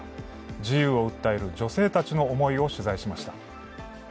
自由を訴える女性たちの思いを取材しました。